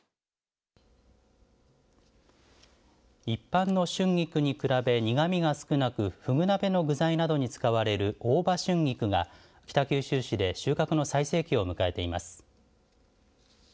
一般の春菊に比べ苦みが少なく、フグ鍋などの具材に使われる大葉春菊が、北九州市で収穫の最盛期を迎えています。